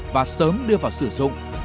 và sớm đưa vào sử dụng